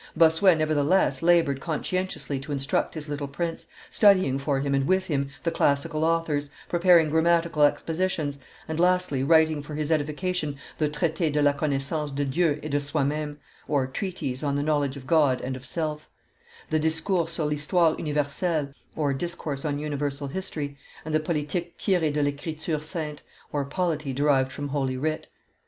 Bossuet, nevertheless, labored conscientiously to instruct his little prince, studying for him and with him the classical authors, preparing grammatical expositions, and, lastly, writing for his edification the Traite de la Connaissance de Dieu et de soi mime (Treatise on the Knowledge of God and of Self), the Discours sur l'Histoire Universelle (Discourse on Universal History), and the Politique tiree de l'Ecriture Sainte (Polity derived from Holy Writ).